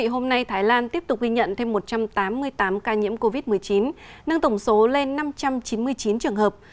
hôm nay thái lan tiếp tục ghi nhận thêm một trăm tám mươi tám ca nhiễm covid một mươi chín nâng tổng số lên năm trăm chín mươi chín trường hợp